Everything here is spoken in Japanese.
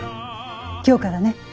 今日からね。